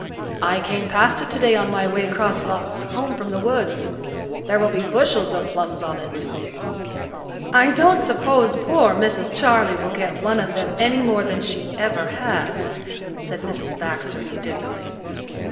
"I came past it today on my way 'cross lots home from the woods. There will be bushels of plums on it." "I don't suppose poor Mrs. Charley will get one of them any more than she ever has," said Mrs. Baxter indignantly.